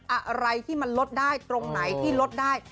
อะไรที่มันลดได้ตรงไหนที่ลดได้